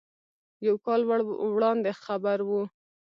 یو کال وړاندې خبر و.